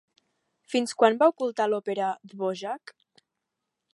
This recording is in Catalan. Fins quan va ocultar l'òpera Dvořák?